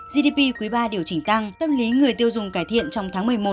gdp quý ba điều chỉnh tăng tâm lý người tiêu dùng cải thiện trong tháng một mươi một